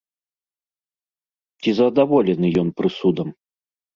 Ці задаволены ён прысудам?